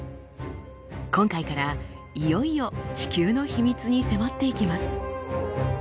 今回からいよいよ地球の秘密に迫っていきます。